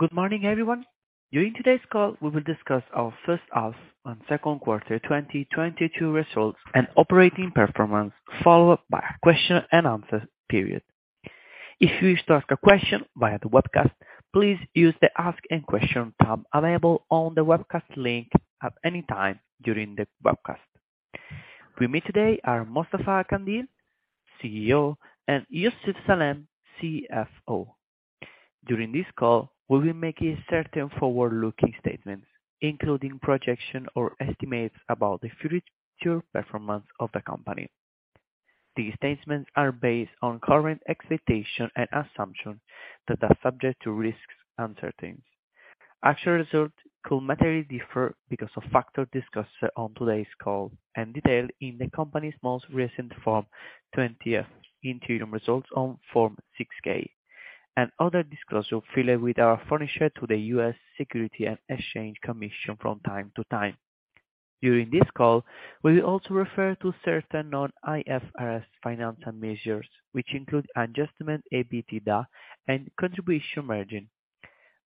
Good morning, everyone. During today's call, we will discuss our first half and second quarter 2022 results and operating performance, followed by a question and answer period. If you wish to ask a question via the webcast, please use the Ask and Question tab available on the webcast link at any time during the webcast. With me today are Mostafa Kandil, CEO, and Youssef Salem, CFO. During this call, we'll be making certain forward-looking statements, including projections or estimates about the future performance of the company. These statements are based on current expectations and assumptions that are subject to risks and uncertainties. Actual results could materially differ because of factors discussed on today's call and detailed in the company's most recent Form 20-F, interim results on Form 6-K, and other disclosures filed with the U.S. Securities and Exchange Commission from time to time. During this call, we will also refer to certain non-IFRS financial measures, which include adjusted EBITDA and contribution margin.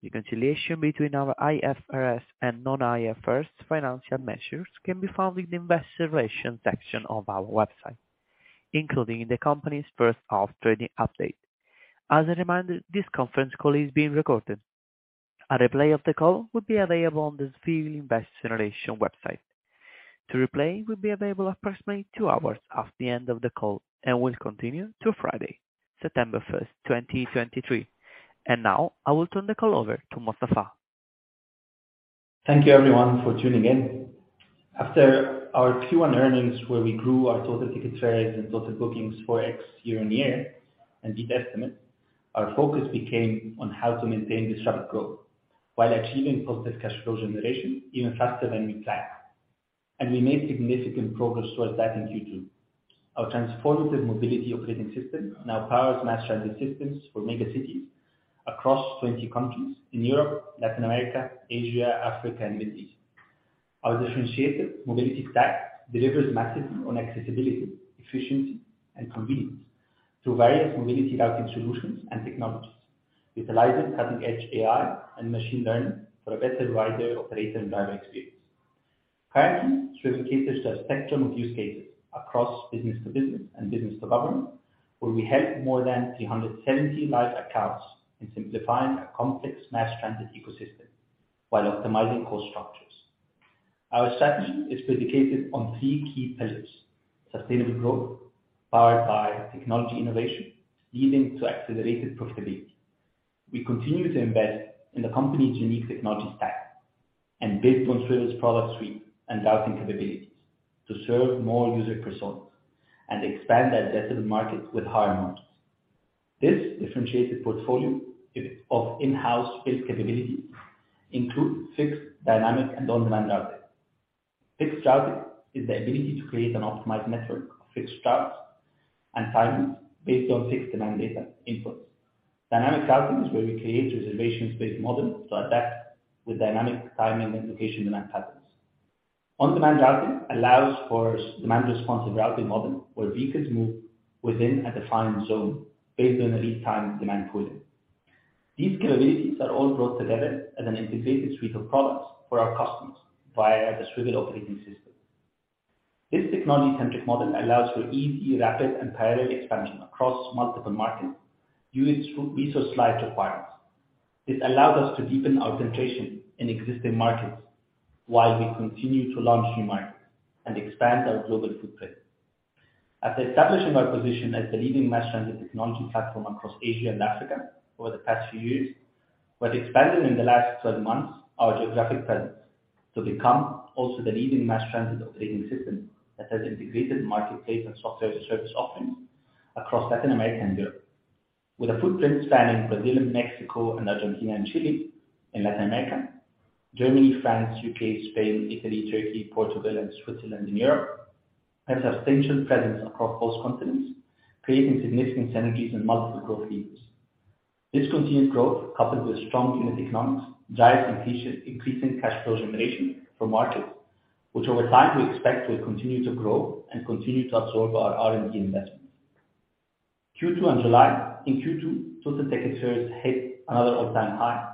The reconciliation between our IFRS and non-IFRS financial measures can be found in the investor relations section of our website, including in the company's first half trading update. As a reminder, this conference call is being recorded. A replay of the call will be available on the Swvl investor relations website. The replay will be available approximately two hours after the end of the call and will continue through Friday, September 1st, 2023. Now I will turn the call over to Mostafa. Thank you everyone for tuning in. After our Q1 earnings where we grew our total ticket fares and total bookings 4x year-over-year and beat estimates, our focus became on how to maintain this rapid growth while achieving positive cash flow generation even faster than we planned. We made significant progress towards that in Q2. Our transformative mobility operating system now powers mass transit systems for mega cities across 20 countries in Europe, Latin America, Asia, Africa, and Middle East. Our differentiated mobility stack delivers massively on accessibility, efficiency, and convenience through various mobility routing solutions and technologies, utilizing cutting-edge AI and machine learning for a better rider operator and driver experience. Currently, Swvl caters to a spectrum of use cases across business to business and business to government, where we help more than 370 live accounts in simplifying a complex mass transit ecosystem while optimizing cost structures. Our strategy is predicated on three key pillars. Sustainable growth powered by technology innovation, leading to accelerated profitability. We continue to invest in the company's unique technology stack and build on Swvl's product suite and routing capabilities to serve more user personas and expand the addressable market with higher margins. This differentiated portfolio of in-house built capabilities includes fixed, dynamic, and on-demand routing. Fixed routing is the ability to create an optimized network of fixed routes and timings based on fixed demand data inputs. Dynamic routing is where we create reservations-based model to adapt with dynamic time and location demand patterns. On-demand routing allows for demand responsive routing model where vehicles move within a defined zone based on the real-time demand pooling. These capabilities are all brought together as an integrated suite of products for our customers via the Swvl operating system. This technology-centric model allows for easy, rapid, and parallel expansion across multiple markets due to its resource-light requirements. This allows us to deepen our penetration in existing markets while we continue to launch new markets and expand our global footprint. After establishing our position as the leading mass transit technology platform across Asia and Africa over the past few years, we've expanded in the last 12 months our geographic presence to become also the leading mass transit operating system that has integrated marketplace and software service offerings across Latin America and Europe. With a footprint spanning Brazil, Mexico, and Argentina, and Chile in Latin America, Germany, France, U.K., Spain, Italy, Turkey, Portugal, and Switzerland in Europe, we have substantial presence across both continents, creating significant synergies in multiple growth levers. This continued growth, coupled with strong unit economics, drives increasing cash flow generation for markets which over time we expect will continue to grow and continue to absorb our R&D investments. Q2 in July. In Q2, total ticket sales hit another all-time high,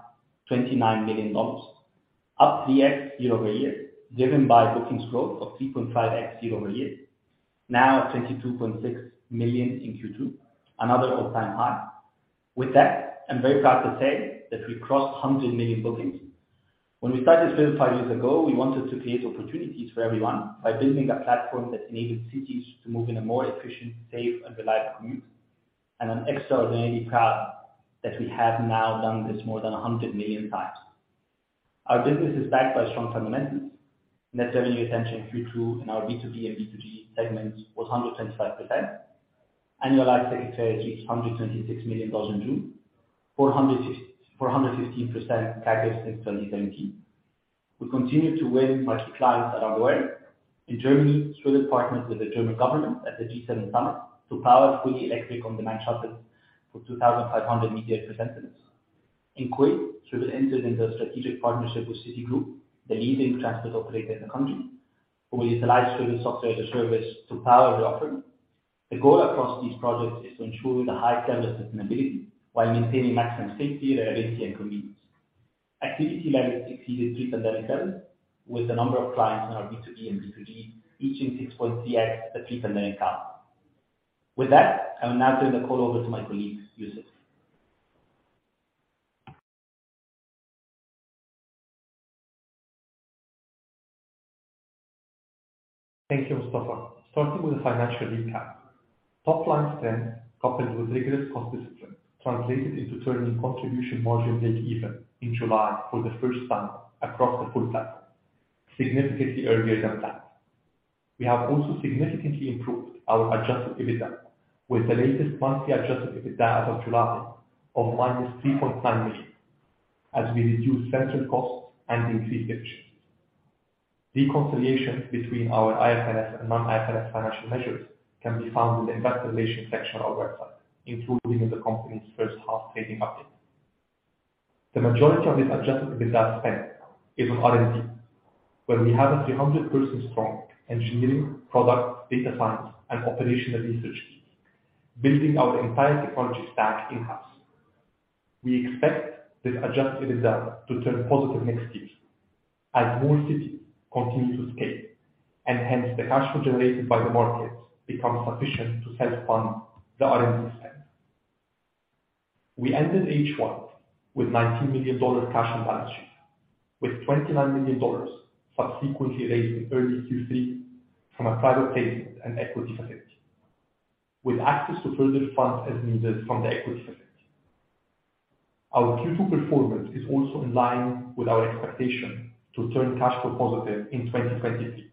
$29 million, up 3x year-over-year, driven by bookings growth of 3.5x year-over-year, now at $22.6 million in Q2, another all-time high. With that, I'm very proud to say that we crossed 100 million bookings. When we started Swvl five years ago, we wanted to create opportunities for everyone by building a platform that enabled cities to move in a more efficient, safe, and reliable commute. I'm extraordinarily proud that we have now done this more than 100 million times. Our business is backed by strong fundamentals. Net revenue retention in Q2 in our B2B and B2G segments was 125%. Annualized ticket sales reached $126 million in June. 450% CAGR since 2017. We continue to win large clients around the world. In Germany, Swvl partnered with the German government at the G7 summit to power fully electric on-demand shuttles for 2,500 media representatives. In Kuwait, Swvl entered into a strategic partnership with City Group, the leading transport operator in the country, who will utilize Swvl's software as a service to power their offering. The goal across these projects is to ensure the high standard of sustainability while maintaining maximum safety, reliability, and convenience. Activity levels exceeded pre-pandemic levels with a number of clients in our B2B and B2C reaching 6x at pre-pandemic count. With that, I will now turn the call over to my colleague, Youssef. Thank you, Mostafa. Starting with the financial recap. Top line strength coupled with rigorous cost discipline translated into turning contribution margin breakeven in July for the first time across the full cycle, significantly earlier than planned. We have also significantly improved our adjusted EBITDA with the latest monthly adjusted EBITDA as of July of -$3.9 million as we reduce central costs and increase efficiency. Reconciliation between our IFRS and non-IFRS financial measures can be found in the investor relations section of our website, including in the company's first half trading update. The majority of this adjusted EBITDA spend is on R&D, where we have a 300-person-strong engineering, product, data science, and operational research team building our entire technology stack in-house. We expect this adjusted EBITDA to turn positive next year as more cities continue to scale, and hence the cash flow generated by the market becomes sufficient to self-fund the R&D spend. We ended H1 with $19 million cash on balance sheet, with $29 million subsequently raised in early Q3 from a private placement and equity facility, with access to further funds as needed from the equity facility. Our Q2 performance is also in line with our expectation to turn cash flow positive in 2022,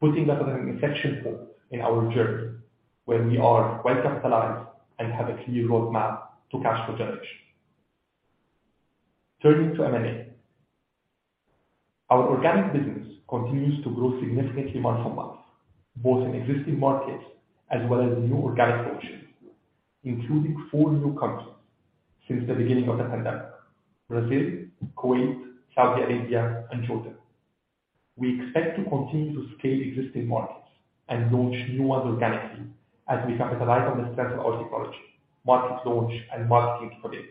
putting us at an inflection point in our journey where we are well-capitalized and have a clear roadmap to cash flow generation. Turning to M&A. Our organic business continues to grow significantly month-on-month, both in existing markets as well as new organic launches, including four new countries since the beginning of the pandemic, Brazil, Kuwait, Saudi Arabia, and Jordan. We expect to continue to scale existing markets and launch new ones organically as we capitalize on the strength of our technology, market launch, and marketing experience.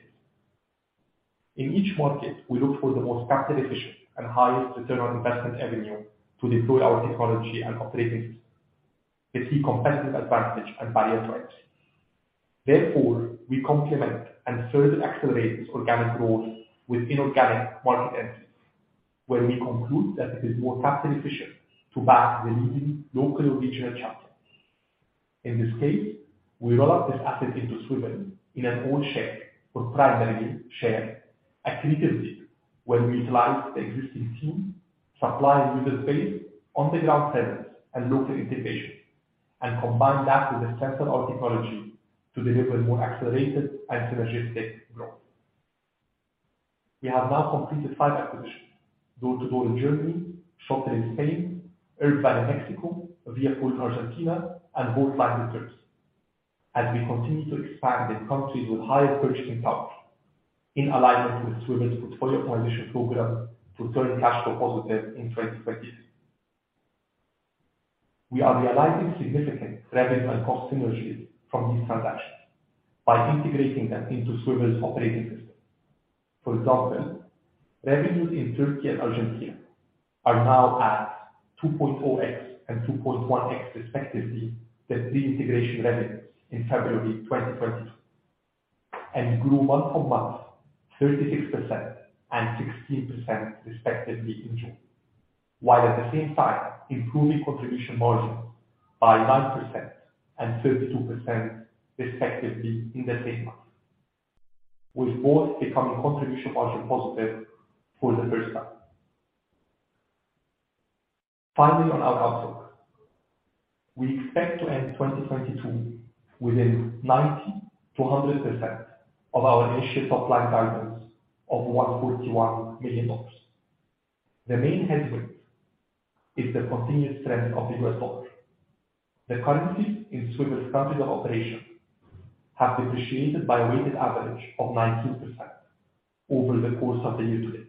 In each market, we look for the most capital efficient and highest return on investment avenue to deploy our technology and operating system. We see competitive advantage and barrier to entry. Therefore, we complement and further accelerate this organic growth with inorganic market entries where we conclude that it is more capital efficient to back the leading local regional champions. In this case, we roll up this asset into Swvl in an own share or primarily via a strategic link where we utilize the existing team, supply and user base, on-the-ground presence and local integration, and combine that with the strength of our technology to deliver more accelerated and synergistic growth. We have now completed five acquisitions, door2door in Germany, Shotl in Spain, Urbvan in Mexico, Viapool in Argentina, and Volt Lines in Turkey, as we continue to expand in countries with higher purchasing power in alignment with Swvl's portfolio optimization program to turn cash flow positive in 2022. We are realizing significant revenue and cost synergies from these transactions by integrating them into Swvl's operating system. For example, revenues in Turkey and Argentina are now at 2.0x and 2.1x respectively than pre-integration revenues in February 2022, and grew month-on-month 36% and 16% respectively in June. While at the same time improving contribution margin by 9% and 32% respectively in the same month, with both becoming contribution margin positive for the first time. Finally, on our outlook. We expect to end 2022 within 90%-100% of our initial top-line guidance of $141 million. The main headwind is the continued strength of the U.S. dollar. The currencies in Swvl's countries of operation have depreciated by a weighted average of 19% over the course of the year-to-date.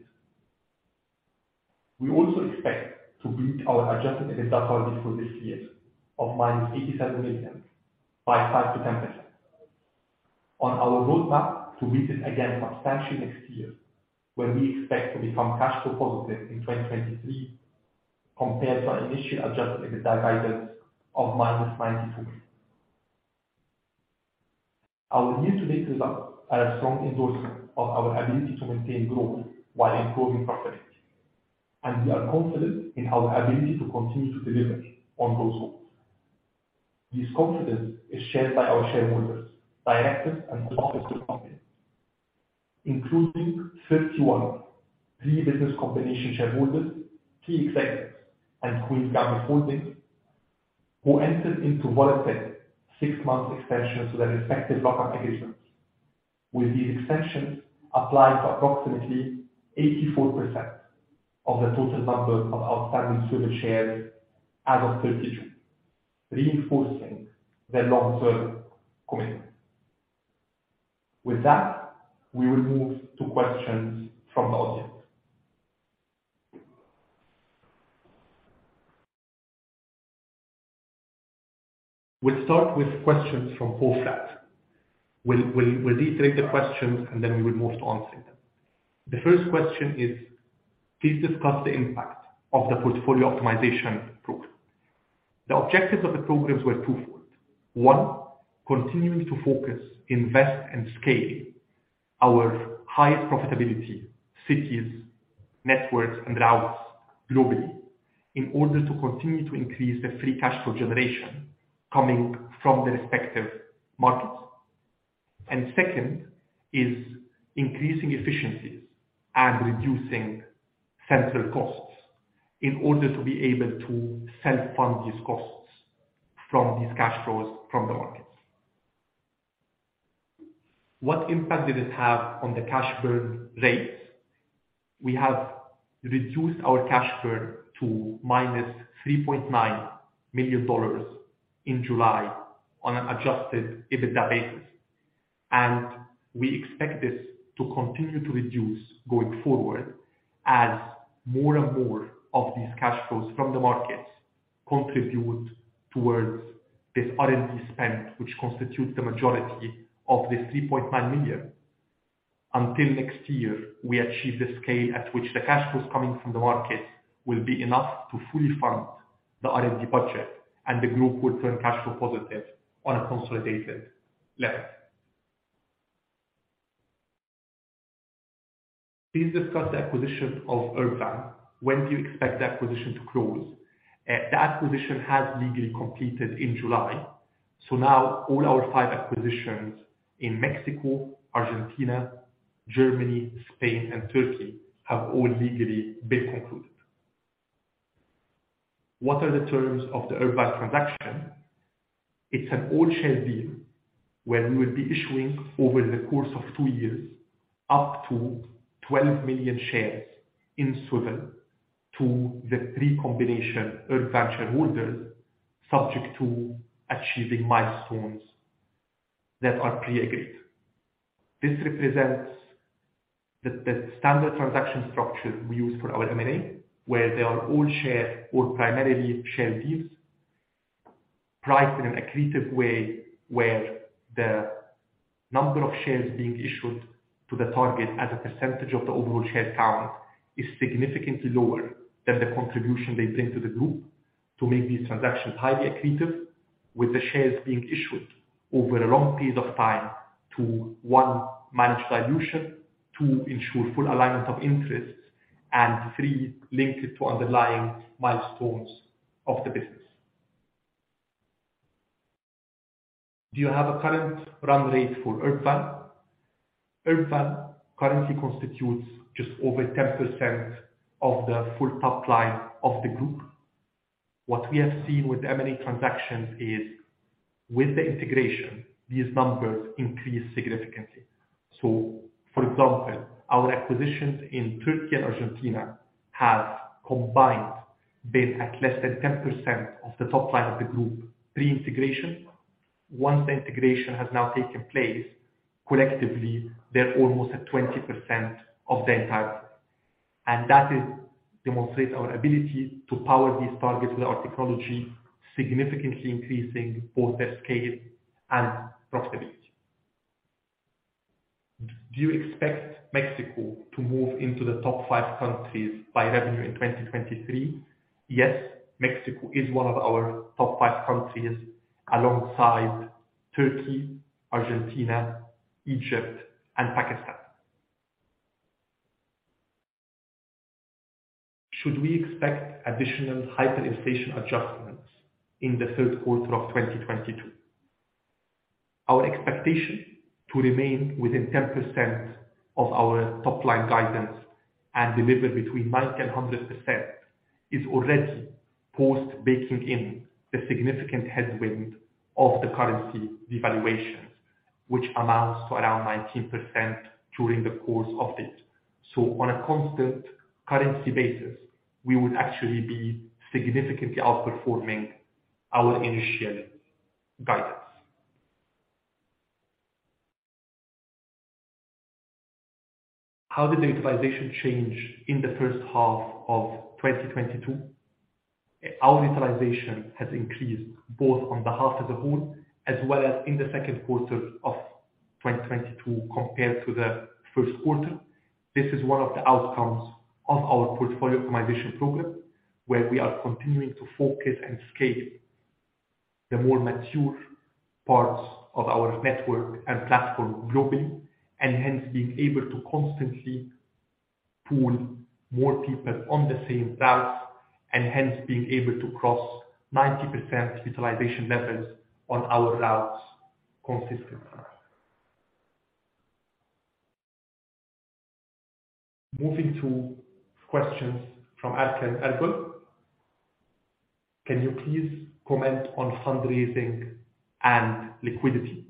We also expect to beat our adjusted EBITDA target for this year of -$87 million by 5%-10%. Our roadmap to beat it again substantially next year, where we expect to become cash flow positive in 2023 compared to our initial adjusted EBITDA guidance of -$92 million. Our year-to-date results are a strong endorsement of our ability to maintain growth while improving profitability, and we are confident in our ability to continue to deliver on those goals. This confidence is shared by our shareholders, directors, and officers of the company, including 31 pre-business combination shareholders, key executives, and Queen's Gambit Holding who entered into voluntary six-month extensions to their respective lock-up agreements, with these extensions applying to approximately 84% of the total number of outstanding Swvl shares as of 30 June, reinforcing their long-term commitment. With that, we will move to questions from the audience. We'll start with questions from Poe Fratt. We'll reiterate the questions and then we will move to answering them. The first question is: Please discuss the impact of the portfolio optimization program. The objectives of the programs were twofold. One, continuing to focus, invest, and scale our highest profitability cities, networks, and routes globally in order to continue to increase the free cash flow generation coming from the respective markets. Second is increasing efficiencies and reducing central costs in order to be able to self-fund these costs from these cash flows from the markets. What impact did it have on the cash burn rates? We have reduced our cash burn to -$3.9 million in July on an adjusted EBITDA basis. We expect this to continue to reduce going forward as more and more of these cash flows from the markets contribute towards this R&D spend which constitutes the majority of the $3.9 million. Until next year, we achieve the scale at which the cash flows coming from the market will be enough to fully fund the R&D budget and the group will turn cash flow positive on a consolidated level. Please discuss the acquisition of Urbvan. When do you expect the acquisition to close? The acquisition has legally completed in July, so now all our five acquisitions in Mexico, Argentina, Germany, Spain and Turkey have all legally been concluded. What are the terms of the Urbvan transaction? It's an all-share deal where we will be issuing over the course of two years, up to 12 million shares in Swvl to the pre-combination Urbvan shareholders, subject to achieving milestones that are pre-agreed. This represents the standard transaction structure we use for our M&A, where they are all share or primarily share deals priced in an accretive way, where the number of shares being issued to the target as a percentage of the overall share count is significantly lower than the contribution they bring to the group to make these transactions highly accretive, with the shares being issued over a long period of time to, one, manage dilution, two, ensure full alignment of interests, and three, linked to underlying milestones of the business. Do you have a current run rate for Urbvan? Urbvan currently constitutes just over 10% of the full top line of the group. What we have seen with M&A transactions is with the integration, these numbers increase significantly. For example, our acquisitions in Turkey and Argentina have combined been at less than 10% of the top line of the group pre-integration. Once the integration has now taken place, collectively, they're almost at 20% of the entire group. That demonstrates our ability to power these targets with our technology, significantly increasing both their scale and profitability. Do you expect Mexico to move into the top five countries by revenue in 2023? Yes, Mexico is one of our top five countries alongside Turkey, Argentina, Egypt and Pakistan. Should we expect additional hyperinflation adjustments in the third quarter of 2022? Our expectation to remain within 10% of our top line guidance and deliver between 90% and 100% is already baking in the significant headwind of the currency devaluations, which amounts to around 19% during the course of it. On a constant currency basis, we would actually be significantly outperforming our initial guidance. How did the utilization change in the first half of 2022? Our utilization has increased both on the half as a whole as well as in the second quarter of 2022 compared to the first quarter. This is one of the outcomes of our portfolio optimization program, where we are continuing to focus and scale the more mature parts of our network and platform globally, and hence being able to constantly pool more people on the same routes and hence being able to cross 90% utilization levels on our routes consistently. Moving to questions from Erkan Erbil. Can you please comment on fundraising and liquidity?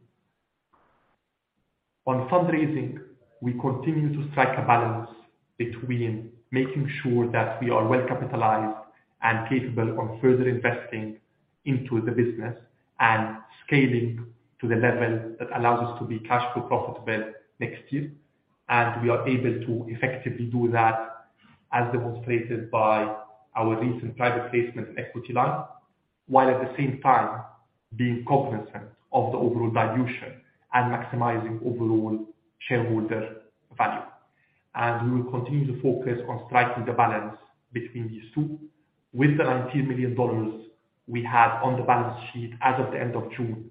On fundraising, we continue to strike a balance between making sure that we are well capitalized and capable on further investing into the business and scaling to the level that allows us to be cash flow profitable next year. We are able to effectively do that as demonstrated by our recent private placement equity line, while at the same time being cognizant of the overall dilution and maximizing overall shareholder value. We will continue to focus on striking the balance between these two. With the $90 million we have on the balance sheet as of the end of June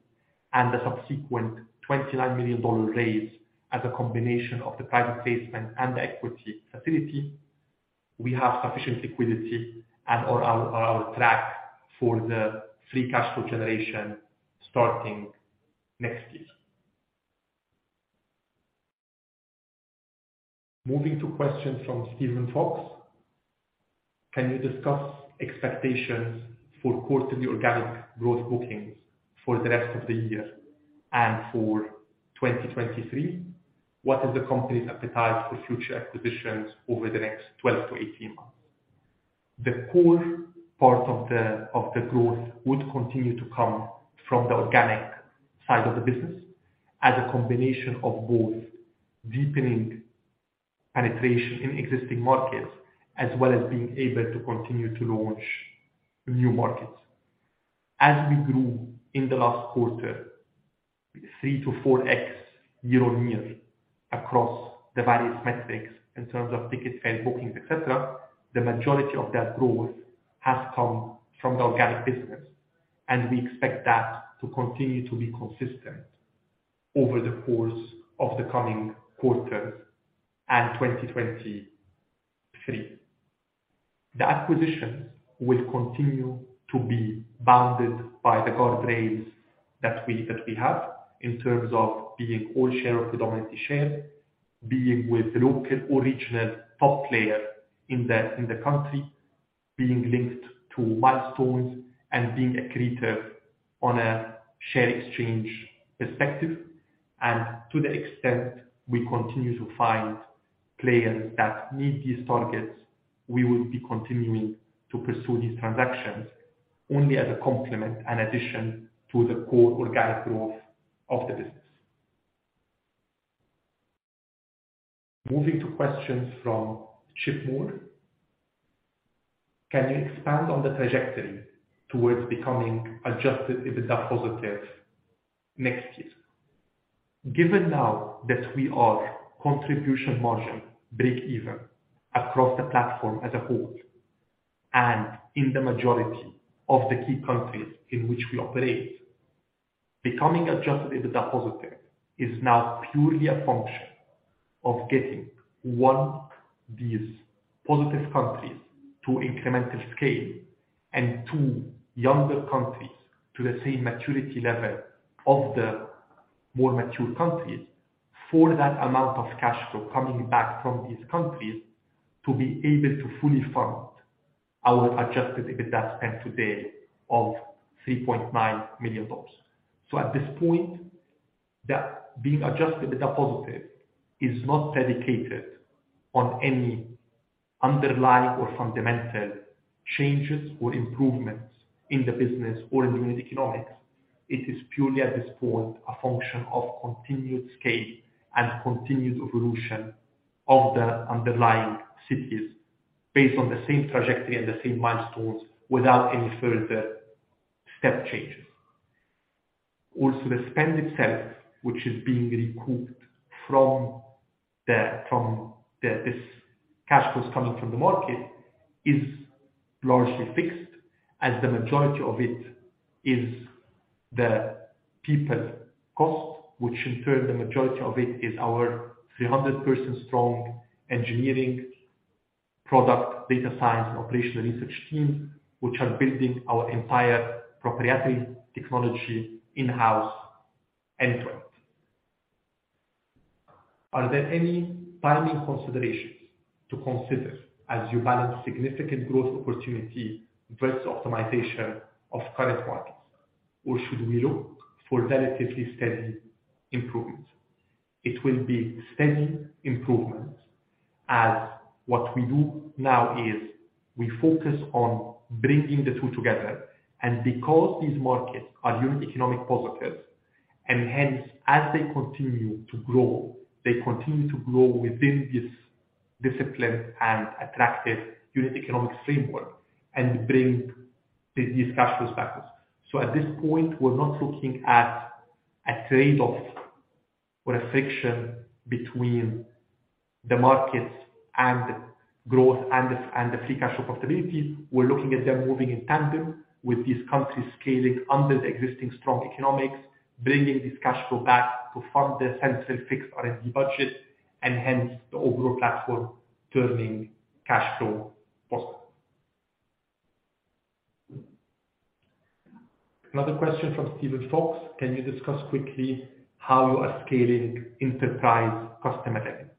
and the subsequent $29 million raise as a combination of the private placement and the equity facility, we have sufficient liquidity and are on track for the free cash flow generation starting next year. Moving to questions from Steven Fox. Can you discuss expectations for quarterly organic growth bookings for the rest of the year and for 2023? What is the company's appetite for future acquisitions over the next 12-18 months? The core part of the growth would continue to come from the organic side of the business as a combination of both deepening penetration in existing markets, as well as being able to continue to launch new markets. As we grew in the last quarter, 3-4x year-over-year across the various metrics in terms of ticket fare, bookings, et cetera, the majority of that growth has come from the organic business, and we expect that to continue to be consistent over the course of the coming quarters and 2023. The acquisitions will continue to be bounded by the guard rails that we have in terms of being all share or predominantly share, being with local original top player in the country, being linked to milestones and being accretive on a share exchange perspective. To the extent we continue to find players that meet these targets, we will be continuing to pursue these transactions only as a complement and addition to the core organic growth of the business. Moving to questions from Chip Moore. Can you expand on the trajectory towards becoming adjusted EBITDA positive next year? Given now that we are contribution margin breakeven across the platform as a whole, and in the majority of the key countries in which we operate, becoming adjusted EBITDA positive is now purely a function of getting, one, these positive countries to incremental scale, and two, younger countries to the same maturity level of the more mature countries for that amount of cash flow coming back from these countries to be able to fully fund our adjusted EBITDA spend today of $3.9 million. At this point, us being adjusted EBITDA positive is not predicated on any underlying or fundamental changes or improvements in the business or in unit economics. It is purely, at this point, a function of continued scale and continued evolution of the underlying cities based on the same trajectory and the same milestones without any further step changes. Also, the spend itself, which is being recouped from the cash flows coming from the market, is largely fixed, as the majority of it is the people cost, which in turn the majority of it is our 300-person strong engineering, product, data science, and operational research teams, which are building our entire proprietary technology in-house end to end. Are there any timing considerations to consider as you balance significant growth opportunity versus optimization of current markets? Or should we look for relatively steady improvement? It will be steady improvement, as what we do now is we focus on bringing the two together. Because these markets are unit economic positives, and hence as they continue to grow, they continue to grow within this disciplined and attractive unit economic framework and bring these cash flows back. At this point, we're not looking at a trade-off or a friction between the markets and growth and the free cash flow profitability. We're looking at them moving in tandem with these countries scaling under the existing strong economics, bringing this cash flow back to fund the central fixed R&D budget, and hence the overall platform turning cash flow positive. Another question from Steven Fox. Can you discuss quickly how you are scaling enterprise customer revenue?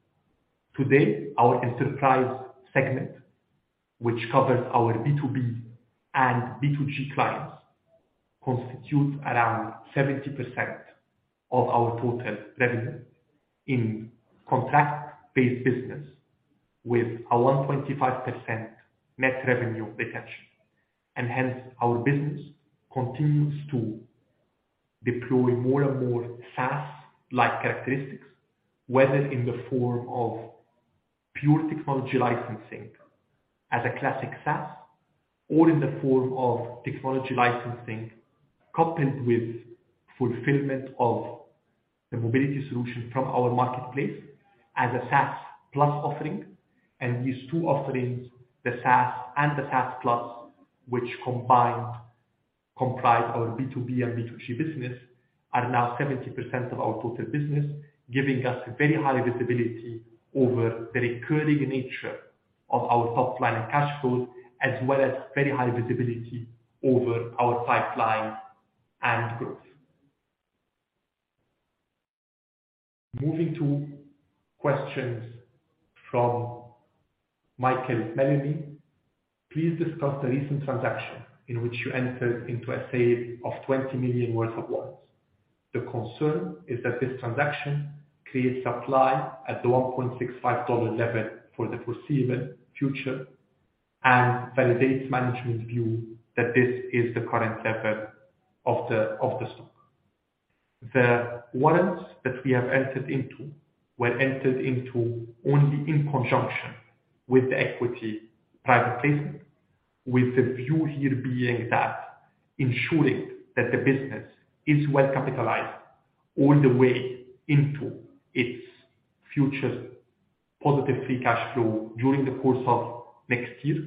Today, our enterprise segment, which covers our B2B and B2G clients, constitute around 70% of our total revenue in contract-based business with a 1.5% net revenue retention. Hence, our business continues to deploy more and more SaaS-like characteristics, whether in the form of pure technology licensing as a classic SaaS or in the form of technology licensing coupled with fulfillment of the mobility solution from our marketplace as a SaaS plus offering. These two offerings, the SaaS and the SaaS Plus, which combined comprise our B2B and B2C business, are now 70% of our total business, giving us very high visibility over the recurring nature of our top line and cash flows, as well as very high visibility over our pipeline and growth. Moving to questions from Michael Melani. Please discuss the recent transaction in which you entered into a sale of $20 million worth of warrants. The concern is that this transaction creates supply at the $1.65 level for the foreseeable future and validates management's view that this is the current level of the stock. The warrants that we have entered into were entered into only in conjunction with the equity private placement, with the view here being that ensuring that the business is well capitalized all the way into its future positive free cash flow during the course of next year,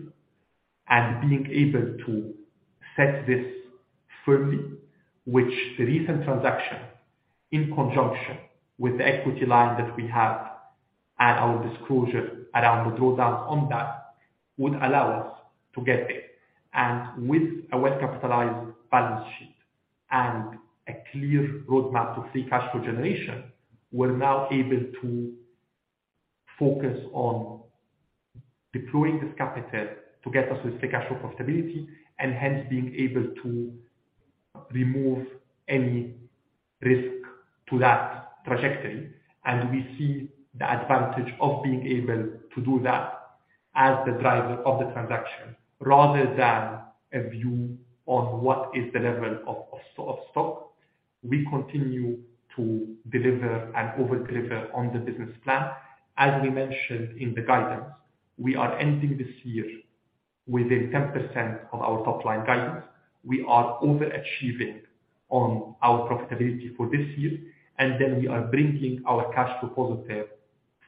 and being able to set this firmly. Which the recent transaction, in conjunction with the equity line that we have and our disclosure around the drawdown on that, would allow us to get there. With a well-capitalized balance sheet and a clear roadmap to free cash flow generation, we're now able to focus on deploying this capital to get us to free cash flow profitability and hence being able to remove any risk to that trajectory. We see the advantage of being able to do that as the driver of the transaction, rather than a view on what is the level of stock. We continue to deliver and over-deliver on the business plan. As we mentioned in the guidance, we are ending this year within 10% of our top-line guidance. We are overachieving on our profitability for this year, and then we are bringing our cash flow positive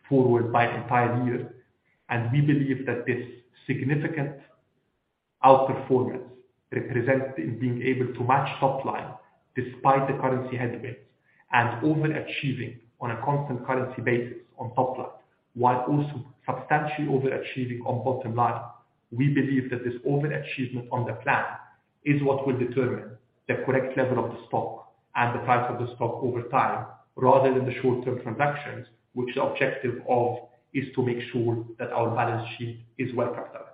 forward by entire year. We believe that this significant outperformance represents in being able to match top line despite the currency headwind and overachieving on a constant currency basis on top line, while also substantially overachieving on bottom line. We believe that this overachievement on the plan is what will determine the correct level of the stock and the price of the stock over time, rather than the short-term transactions, which the objective of is to make sure that our balance sheet is well capitalized.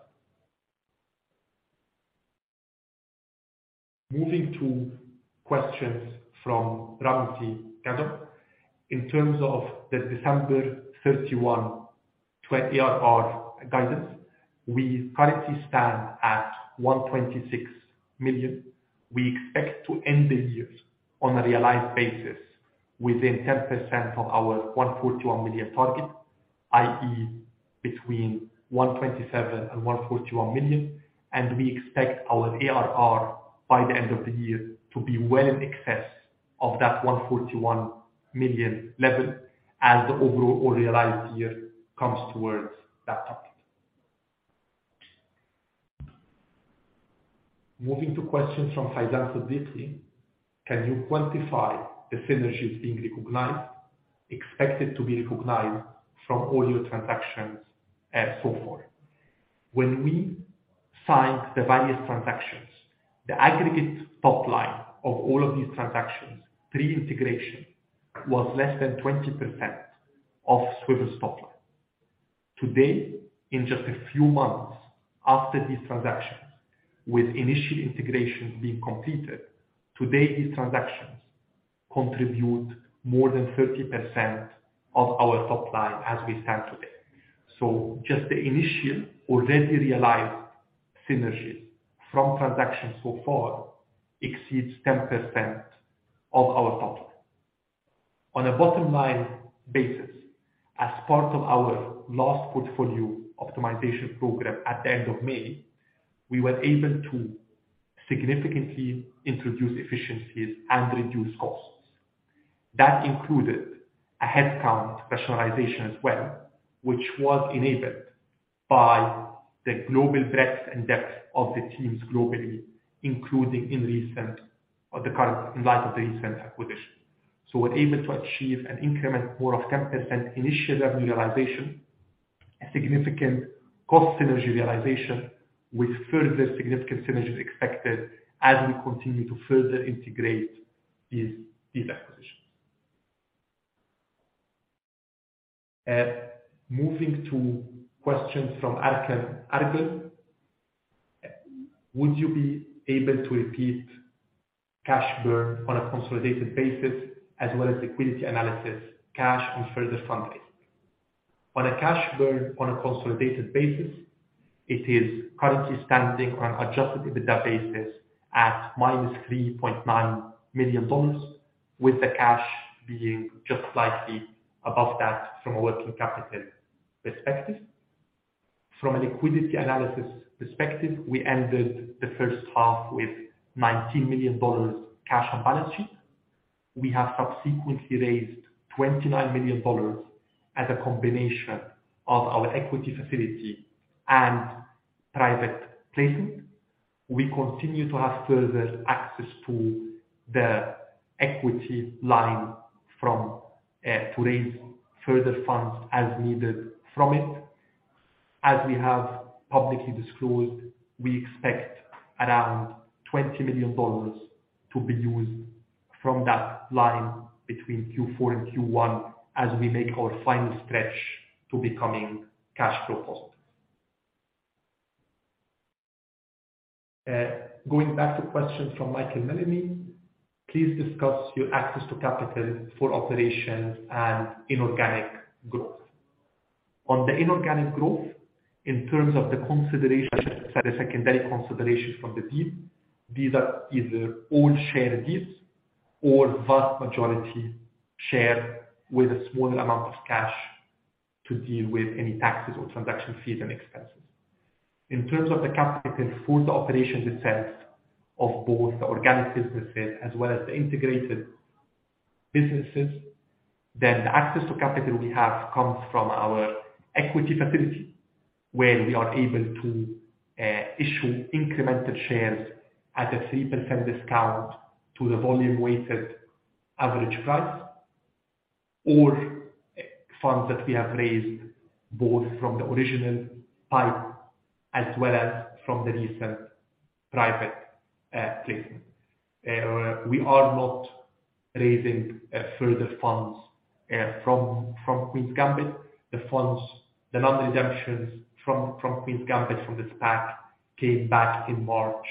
Moving to questions from Ravanti Gaza. In terms of the December 31 ARR guidance, we currently stand at $126 million. We expect to end the year on a realized basis within 10% of our $141 million target, i.e., between $127 million and $141 million. We expect our ARR by the end of the year to be well in excess of that $141 million level as the overall realized year comes towards that target. Moving to questions from Faizan Siddiqui. Can you quantify the synergies being recognized, expected to be recognized from all your transactions and so forth? When we signed the various transactions, the aggregate top line of all of these transactions, pre-integration, was less than 20% of Swvl's top line. Today, in just a few months after these transactions, with initial integrations being completed, today, these transactions contribute more than 30% of our top line as we stand today. Just the initial already realized synergies from transactions so far exceeds 10% of our top line. On a bottom-line basis, as part of our last portfolio optimization program at the end of May, we were able to significantly introduce efficiencies and reduce costs. That included a headcount rationalization as well, which was enabled by the global breadth and depth of the teams globally, including in light of the recent acquisition. We're able to achieve an increment more of 10% initial revenue realization, a significant cost synergy realization with further significant synergies expected as we continue to further integrate these acquisitions. Moving to questions from Erkan Erbil. Would you be able to repeat cash burn on a consolidated basis as well as liquidity analysis, cash and further funding? On a cash burn on a consolidated basis, it is currently standing on adjusted EBITDA basis at -$3.9 million, with the cash being just slightly above that from a working capital perspective. From a liquidity analysis perspective, we ended the first half with $19 million cash on balance sheet. We have subsequently raised $29 million as a combination of our equity facility and private placement. We continue to have further access to the equity line from to raise further funds as needed from it. As we have publicly disclosed, we expect around $20 million to be used from that line between Q4 and Q1 as we make our final stretch to becoming cash flow positive. Going back to questions from Michael Melani, please discuss your access to capital for operations and inorganic growth. On the inorganic growth, in terms of the consideration, the secondary consideration from the deal, these are either all share deals or vast majority share with a small amount of cash to deal with any taxes or transaction fees and expenses. In terms of the capital for the operations itself of both the organic businesses as well as the integrated businesses, then the access to capital we have comes from our equity facility, where we are able to issue incremental shares at a 3% discount to the volume weighted average price or funds that we have raised both from the original PIPE as well as from the recent private placement. We are not raising further funds from Queen's Gambit. The funds, the loan redemptions from Queen's Gambit from the SPAC came back in March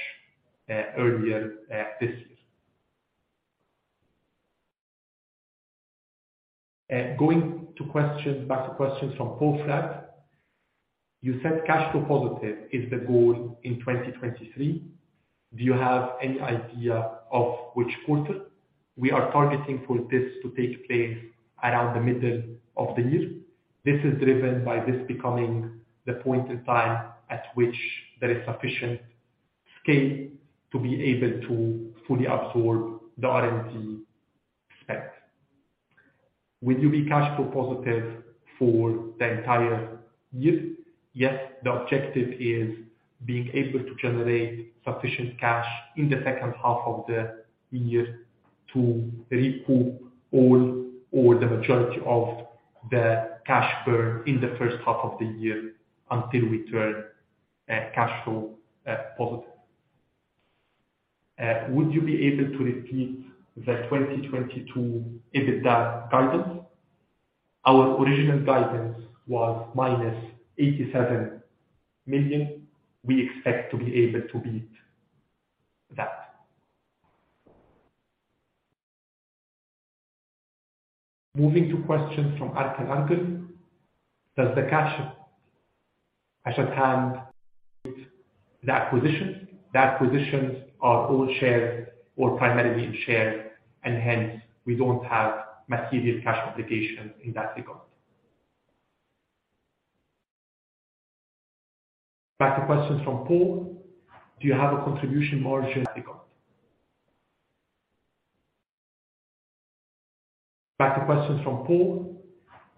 earlier this year. Back to questions from Poe Fratt. You said cash flow positive is the goal in 2023. Do you have any idea of which quarter? We are targeting for this to take place around the middle of the year. This is driven by this becoming the point in time at which there is sufficient scale to be able to fully absorb the R&D spend. Will you be cash flow positive for the entire year? Yes. The objective is being able to generate sufficient cash in the second half of the year to recoup all or the majority of the cash burn in the first half of the year until we turn cash flow positive. Would you be able to repeat the 2022 EBITDA guidance? Our original guidance was -$87 million. We expect to be able to beat that. Moving to questions from Erkan Erbil. Does the cash at hand the acquisitions? The acquisitions are all shares or primarily in shares, and hence we don't have material cash applications in that regard. Back to questions from Poe Fratt. Do you have a contribution margin regard? Back to questions from Poe Fratt.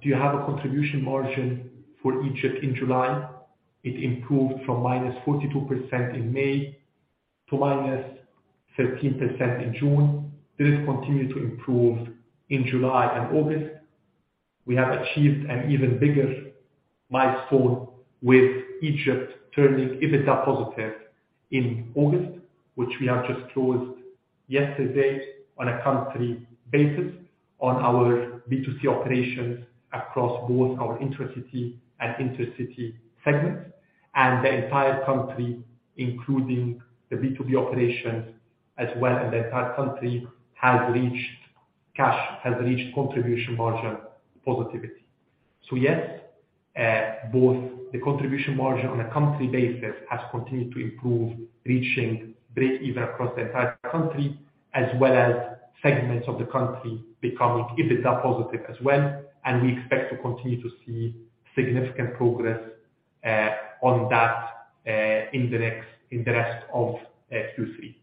Do you have a contribution margin for Egypt in July? It improved from -42% in May to -13% in June. Did it continue to improve in July and August? We have achieved an even bigger milestone with Egypt turning EBITDA positive in August, which we have just closed yesterday on a country basis on our B2C operations across both our intracity and intercity segments, and the entire country, including the B2B operations as well, and the entire country has reached contribution margin positivity. Yes, both the contribution margin on a country basis has continued to improve, reaching breakeven across the entire country, as well as segments of the country becoming EBITDA positive as well. We expect to continue to see significant progress on that in the rest of Q3.